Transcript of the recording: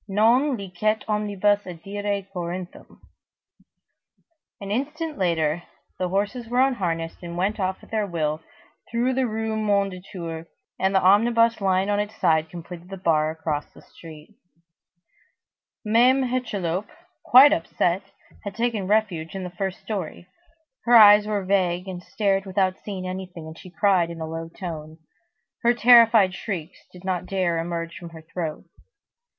Non licet omnibus adire Corinthum." An instant later, the horses were unharnessed and went off at their will, through the Rue Mondétour, and the omnibus lying on its side completed the bar across the street. Mame Hucheloup, quite upset, had taken refuge in the first story. Her eyes were vague, and stared without seeing anything, and she cried in a low tone. Her terrified shrieks did not dare to emerge from her throat.